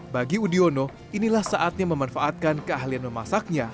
bagi udiono inilah saatnya memanfaatkan keahlian memasaknya